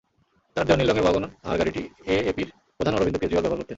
তাঁর দেওয়া নীল রঙের ওয়াগন-আর গাড়িটি এএপির প্রধান অরবিন্দ কেজরিওয়াল ব্যবহার করতেন।